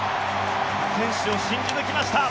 選手を信じ抜きました。